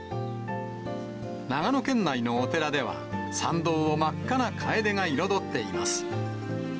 長野県内のお寺では、参道を真っ赤なカエデが彩っています。